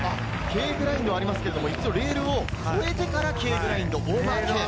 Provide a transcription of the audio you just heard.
Ｋグラインドありますけれども、レールを越えてからＫグラインド、オーバーＫですね。